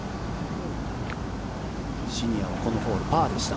シニアはこのホール、パーでした。